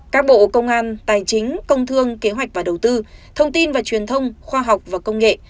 các bộ công an tài chính công thương kế hoạch và đầu tư thông tin và truyền thông khoa học và công nghệ